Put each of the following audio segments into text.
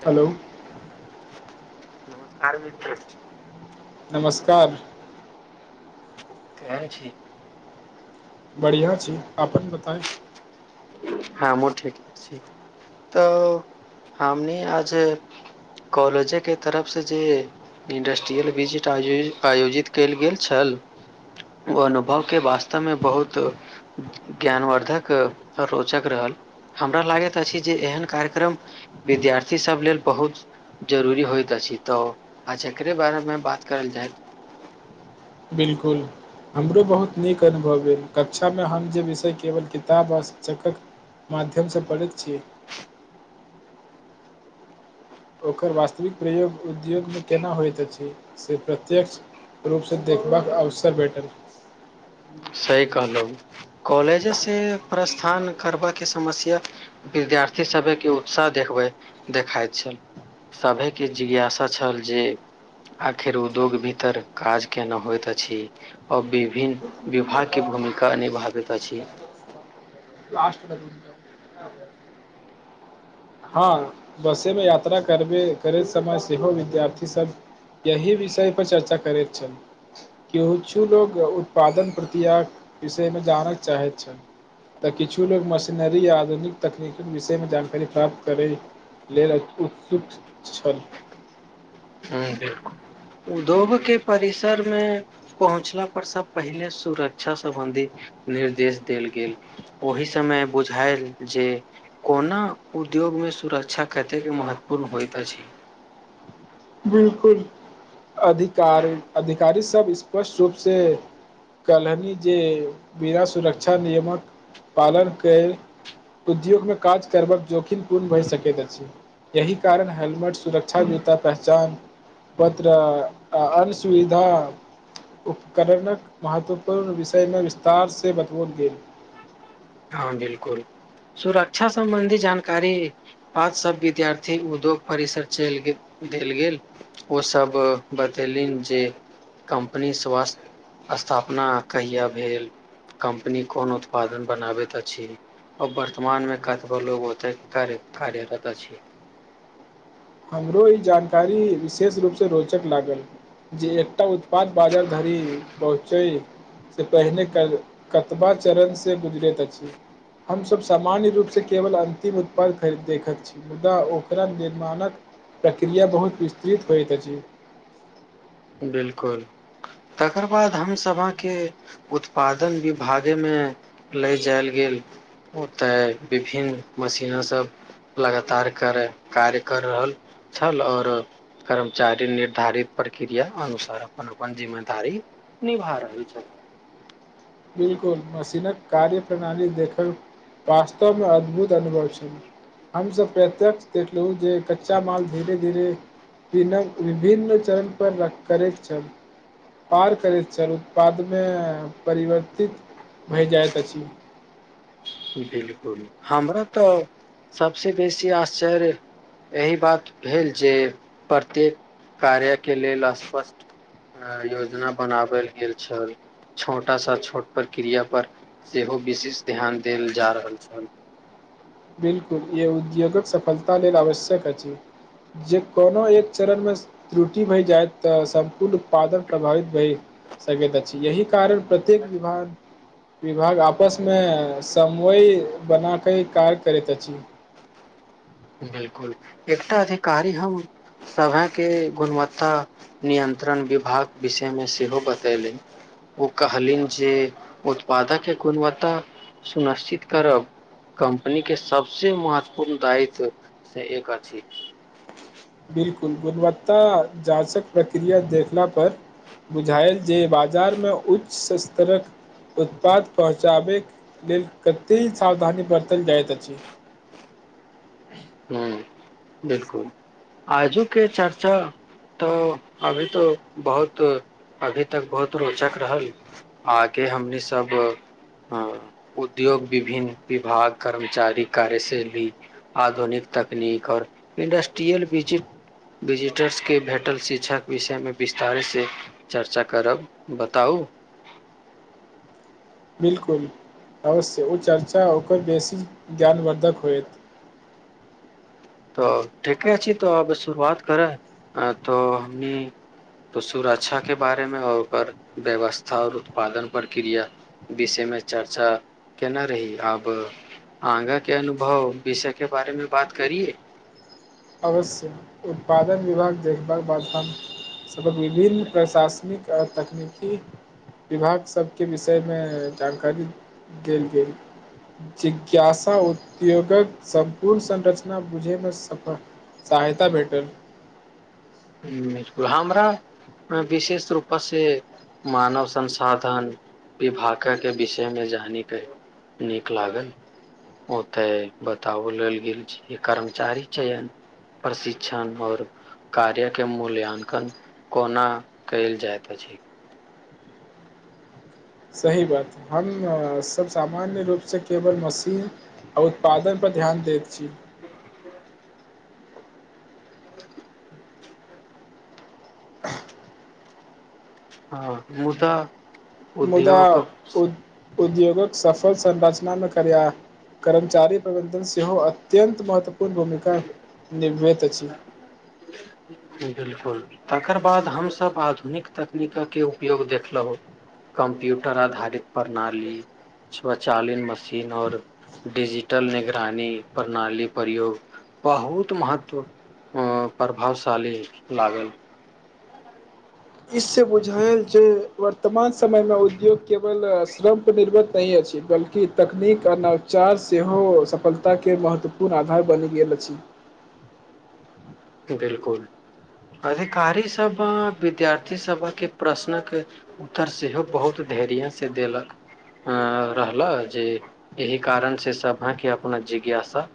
Hello नमस्कार मित्र। नमस्कार। केहन छी। बढ़िआँ छी अपन बताय। हमहूँ ठीके छी तऽ हमनी आज कॉलेजेके तरफसँ जे इंडस्ट्रियल विजिट आ आयोजित कयल गेल छल ओ अनुभवके वास्तवमे बहुत ज्ञानवर्द्धक ओ रोचक रहल हमरा लागैत अछि जे एहन कार्यक्रम विद्यार्थीसभ लेल बहुत जरूरी होइत अछि तऽ आे बारेमे बात करल जाय। बिलकुल हमरो बहुत नीक अनुभव भेल कक्षामे हम जे विषय केवल किताब आ शिक्षकक माध्यमसँ पढ़ैत छीय। ओकर वास्तविक प्रयोग उद्योगमे केना होइत अछि से प्रत्यक्ष रूपसँ देखबाक अवसर भेटल। सही कहलहु कॉलेजे से प्रस्थान करबबाक के समस्या विद्यार्थी सभके उत्साह देखबै देखाइत छल सभेके जिज्ञासा छल जे आखिर उद्योग भीतर काज केना होइत अछि आ विभिन्न विभागके भूमिका निभाबैत अछि। ट हँ बसेमे यात्रा करबे करैत समय सेहो विद्यार्थी सब यही विषय पर चर्चा करैत छल कि किछु लोग उत्पादन प्रक्रियााक विषयमे जानय चाहैत छल तऽ किछु लोग मशीनरी य आधुनिक तकनीकी विषयमे जानकारी प्राप्त करय लेल उत्सुक छल। बिलकुल उद्योग के परिसर मे पहुँचला परसँ पहिले सुरक्षा सम्बंधी निर्देश देल गेल ओहि समय बुझायल जे ओना उद्योग मे सुरक्षा कतेक महत्वपूर्ण होइत अछि। बिलकुल अधिकारी -अधिकारी सब स्पष्ट रूप से कहलनि जे बिना सुरक्षा नियमक पालन क उद्योगमे काज करबक जोखिम पूर्ण भए सकैत अछि। यह कारण हेलेलमेट सुरक्षा जूता पर पत्र अन सुविधा उपकरणक महत्वपूर्ण विषय मे विस्तार से बतबोल गेल। हँ बिलकुल सुरक्षा सम्बन्धी जानकारी प सब विद्यार्थी उद्योग परिसर चलि गेल देल गेल ओसभ बतेलनि जे कम्पनी स्वास्थ्य स्थापना कहिया भेल कम्पनी कोन उत्पादन बनाबैत अछि आर वर्तमान मे कतबो लोग ओते कार्यरत अछि। हमरो ई जानकारी विशेष रूपसँ रोचक लागल जे एकटा उत्पाद बाजार धरि पहुँचयसँ पहिने कतबा चरणसँ गुजरैत अछि हमसभ सामान्य रूपसँ केवल अन्तिम उत्पाद देखैत छी मुदा ओकरा निर्माणक प्रक्रिया बहुत विस्तृत होइत अछि। बिलकुल तकर बाद हमसभ अहके उत्पादन विभागेमे ले जायल गेल ओतय विभिन्न मशीनासभ लगातार कर कार्य कर रहल छल आओर कर्मचारी निर्धारित क्रिया अनुसार अपन अपन जिम्मेदारी निभा रहल छथि। बिलकुल मशीनक कार्य प्रणाली देखब वास्तव मे अद्भुत अनुभव छै हमसब प्रत्यक्ष देखलहु जे कच्चा माल धीरे धीरे पीनम विभिन्न चर पर र करैत छल पार करैत छल उत्पादमे परिवर्तन भ जाइत अछि। बिलकुल हमरा तऽ सबस बेसी आश्चर्य एहि बात भेल जे प्रत्येक कार्य के लेल स्पष्ट योजना बनावल गेल छल छोटा सा छोट प्रक्रिया पर सेहो विशेष ध्यान देल जा रहल छल। बिलकुल ई उद्योगक सफलता लेल आवश्यक अछि जे कोनो एक चरणमे त्रुटि भय जाय तऽ सम्पूर्ण उत्पादन प्रभावित भए सकैत अछि अही कारण प्रत्येक विभाग विभाग आपस मे सम्वय बना क कार करैत अछि बिलकुल एकटा अधिकारी हम सभके गुणवत्ता नियन्त्रण विभाग विषयमे सेहो बतेलनि ओ कहलनि जे उत्पादकके गुणवत्ता सुनिश्चित करब कम्पनीके सभसँ महत्वपूर्ण दायित्व से एक अछि बिलकुल गुणवत्ता जाँचक प्रक्रिया देखला पर बुझायल जे बाजारमे उच्च स्तरक उत्पाद पहुँचाबै लेल कतेक सावधानी बरतल जाइत अछि ह बिलकुल आजुके चर्चा तऽ अभी तऽ बहुत अभी तक बहुत रोचक रहल आगे हमनी सब अ उद्योग विभिन्न विभाग कर्मचारी कार्यशैली आधुनिक तकनीक और इणडस्ट्रियल डिजि डिजिटर्सके भेटल शिक्षाके विषयमे विस्तारे से चर्चा करब। बताउ बिलकुल अवश्य ओ चर्चा ओकर बेसी ज्ञानवर्द्धक होयत तऽ ठीके छी तऽ अब शुरुआत करे तो हमनी सुरक्षा के बारेमे आऔर ओकर व्यवस्था आऔर उत्पादन प्रक्रिया विषय मे चर्चा केना रही अब आगाँ के अनुभव विषय के बारेमे बात करियए अवश्य, उत्पादन विभाग जहि बाद हम सभक विभिन्न प्रशासनिक आ तक तकनीकी विभाग सबके विषयमे जानकारी देल गेल जिज्ञासा उद्योगक सम्पूर्ण संरचना बुझैमे सफल सहायता भेटल बिलकु [inaudible] हमरा विशेष रूपससँ मानव संसाधन विभागयके विषयमे जानयके नीक लागल ओतय बताओ लेल गेल छै कर्मचारी चयन प्रशिक्षण आओर कार्यके मूल्यांकन कोना कयल जाइत अछि सही बात हम सब सामान्य रूप से केवल मशीन आ उत्पादन पर ध्यान देैत छी [inaudible] हँ मुदाऽ [inaudible] मुदा ओ [inaudible] उद्योगक सफल संरचनामे करया करमचारी प्रबन्धन सेहो अत्यन्त महत्व भूमिका निभृत ह [unintelligible] बिलकुल तकर बाद हमसभ आधुनिक तकनीककके उपयोग देखलहुँ कम्प्यूटर आधारित प्रणाली स्वचालन मशीन और डिजिटल निगरानी प्रणाली प्रयोग बहुत महत्व अऽ प्रभावशाली लागल इस बुझायल जे वर्तमान समयमे उद्योग केवल श्रमपर निर्वत नहि अछि बल्कि तकनीक आ नवचार सेहो सफलताके महत्वपूर्ण आधार बनि गेल अछि बिलकुल अधिकारीसभ विद्यार्थीसभके प्रश्नक उत्तर सेहो बहुत धैर्यसँ देलक [inaudible] रहलह जे एहि कारणसँ सभके अपना जिज्ञासा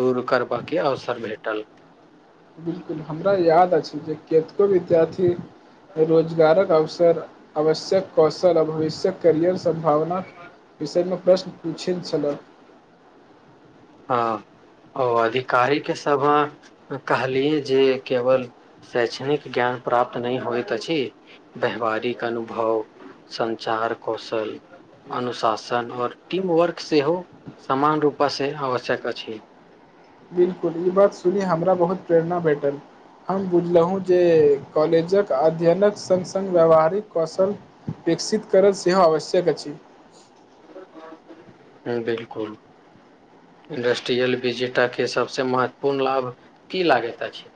दूर करबाकके अवसर भेटल लेकिन [unintelligible] हमरा याद अछि जे केतको विद्यार्थी रोजगारक अव [inaudible] आवश्यक कौशल आ भविष्यक करैियर सं्भावना विषयमे प्रश्न पूछेत छलऽ ह ओ अधिकारी के सब कहलियए जे केवल शैक्षणिक ज्ञान प्राप्त नहि होत अछि व्याववहारिक अनुभव सं्चार कौशल अनुशासन और टीम वर्क सेहो समान रूपस [inaudible] आवश्यक अछि बिलकुल ई बात सुनी हमरा बहुत प्रेरणा भेटल हम बुझलहुँ जे कॉलेजक अध्ययनक सङ्ग सङ्ग व्यावहारिक कौशल विकसित करब सेहो आवश्यक अछि बिलकुल इंडस्ट्रियल विजेताके सभसँ महत्वपूर्ण लाभ की लागैत अछि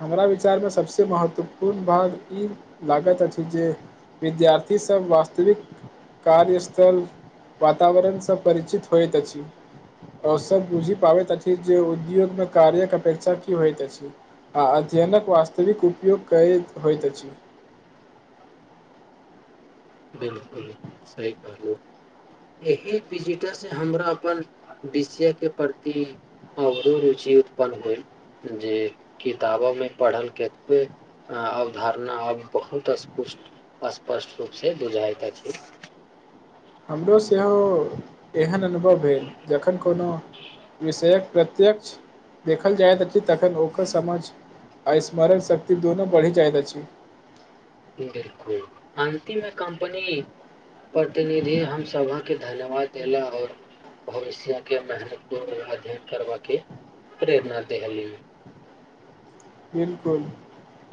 हमरा विचारमे सभसँ महत्वपूर्ण बात ई लागैत अछि जे विद्यार्थीसभ वास्तविक कार्य स्थल वातावरणसँ परिचित होइत अछि ओओ सभ बुझि पाबैत अछि जे उद्योगमे कार्यके अपेक्षा की होइत अछि आ अध्ययनकक वास्तविक उपयोग क होयत अछि बिलकुल, सही कहौ एहि डजिटल से हमरा अपन विषय के प्रति अवरो रुचि उत्पन्न होय जे किताबोमे पढ़ल कतबे अवधारणा अब बहुतट अस्पुट स्पष्ट रूप [inaudible] से बुझायत अछि हमरो सेहो एहन अन भेल जखन कोनो विषयक प्रत्यक्ष देखल जाइत अछि तखन ओकर समझ आ स्मरण शक्ति दुनू बढ़ि जाइत अछि। बिलकुल अन्तिमे कम्पनी प्रतिनिधि हम सभा के धन्यवाद देला और भविष्य के महतपूर्ण अध्ययन करबा के प्रेरणा देहली। बिलकुल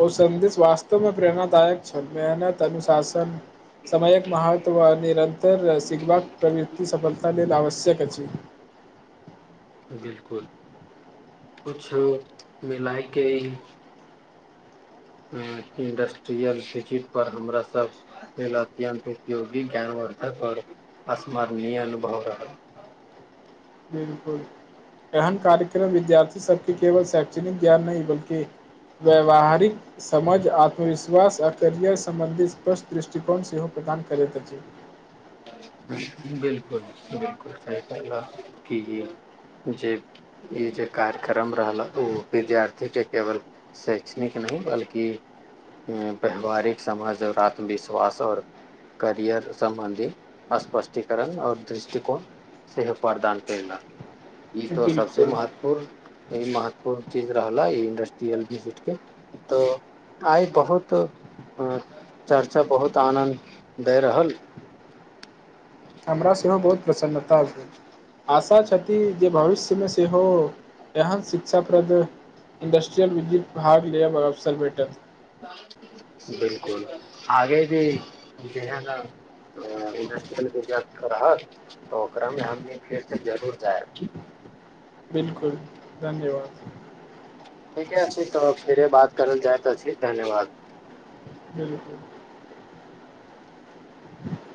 ओ सन्देश वास्तवमे प्रेरणाादायक छल मेहनत त अनुशासन समयक महत्व निरतर सीखबाक प्रवृति सफलता लेल आवश्यक अछि। बिलकुल कुछ मिलयके ही। इंडस्ट्रियल सिचित पर हमरा सभ लेल अत्यन्त उपयोगी ज्ञानवर्द्धक आओर स्मरणीय अनुभव रहल। बिलकुल एहन कार्यक्रम विद्यार्थी सबके केवल शैक्षणिक ज्ञान नहि बल्कि व्यवहारिक समझ आत्मविश्वास आ करियर सम्बन्धी स्पष्ट दृष्टिकोण सेहो प्रदान करैत अछि। बिलकुल बिलकुल सही कहला कि जे ई जे कार्यक्रम रहला ओ विद्यार्थीके केवल शैक्षणिक नहि बल्कि व्यवहारिक समाज और आत्मविश्वास और करियर सम्बन्धी। स्पष्टीकरण और दृष्टिकोण सेहो प्रदान कैला। ई तो सबसे बिलकुल महत्वपूर्ण। ई महत्वपूर्ण चीज रहला ई इंडस्ट्रियल विजिटके तऽ आइ बहुत अ चर्चा बहुत आनन्द दय रहल। हमरा सेहो बहुत प्रसन्नता भेल आशा छथि जे भविष्यमे सेहो एहन शिक्षाप्रद इंडस्ट्रियल विद्युत भाग लेके अवसर भेटल। बिलकुल आगे जे ई जेहन इंडस्ट्रियल [unintelligible] के रहत तऽ ओकरामे हमनी फेर से जरूर जायब। बिलकुल धन्यवाद। ठीके छी तऽ फेरे बात करल जाइत अछी धन्यवाद। बिलकुल। ह [unintelligible]